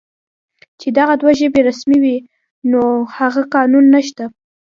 چې دغه دوه ژبې رسمي وې، نور هغه قانون نشته دی